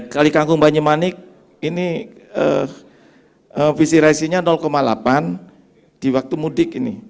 kali kangkung banyumanik ini pc ratio nya delapan di waktu mudik ini